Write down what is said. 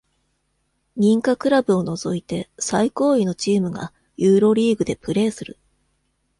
認可クラブを除いて、最高位のチームがユーロリーグでプレーする。